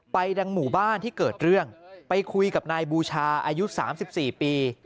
ดังหมู่บ้านที่เกิดเรื่องไปคุยกับนายบูชาอายุ๓๔ปี